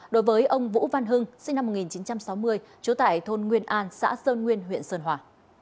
đối với ông vũ văn hưng sinh năm một nghìn chín trăm sáu mươi trú tại thôn nguyên an xã sơn nguyên huyện sơn hòa